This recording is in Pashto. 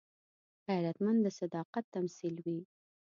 غیرتمند د صداقت تمثیل وي